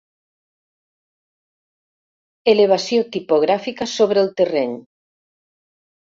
Elevació tipogràfica sobre el terreny.